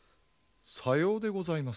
さようでございます。